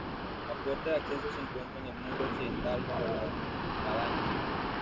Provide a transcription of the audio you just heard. La puerta de acceso se encuentra en el muro occidental, bajo la espadaña.